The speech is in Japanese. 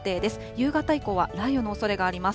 夕方以降は雷雨のおそれがあります。